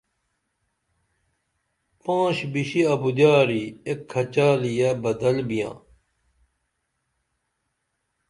پانش بِشی اُبدیاری ایک کھچالیہ بدل بیاں